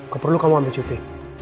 kau perlu kamu ambil cuti